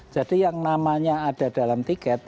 jadi yang namanya ada dalam tiket